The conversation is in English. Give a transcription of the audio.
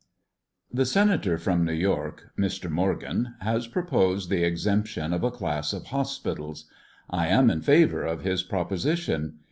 THE Senator from New York [Mr. Morgan] has pro posed the exemption of a class of hospitals. I am in favor of his proposition.